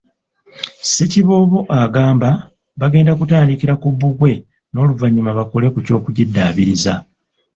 Ssekiboobo agamba bagenda kutandikira ku bbugwe n'oluvannyuma bakole ku ky'okugiddaabiriza.